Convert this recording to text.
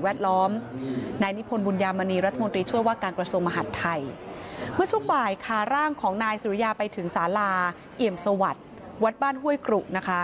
เอียมสวัสดิ์วัดบ้านห้วยกรุ๋นะคะ